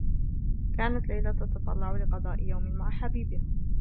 كانت ليلى تتطلّع لقضاء يوم مع حبيبها.